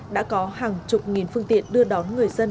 đã có hàng chục nghìn phương tiện đưa đón người dân